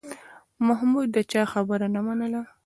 محمود د چا خبره نه منله.